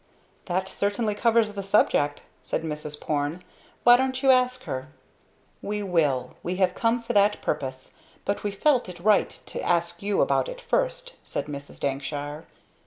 "That certainly covers the subject," said Mrs. Porne. "Why don't you ask her?" "We will. We have come for that purpose. But we felt it right to ask you about it first," said Mrs. Dankshire.